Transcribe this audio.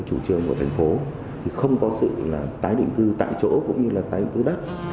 chủ trường của thành phố không có sự tái hình cư tại chỗ cũng như là tái hình cư đất